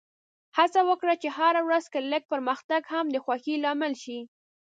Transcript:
هڅه وکړه چې په هره ورځ کې لږ پرمختګ هم د خوښۍ لامل شي.